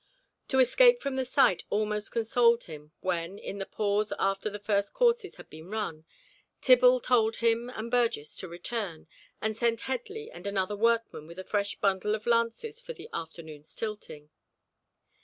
To escape from the sight almost consoled him when, in the pause after the first courses had been run, Tibble told him and Burgess to return, and send Headley and another workman with a fresh bundle of lances for the afternoon's tilting.